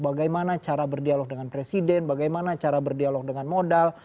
bagaimana cara berdialog dengan presiden bagaimana cara berdialog dengan modal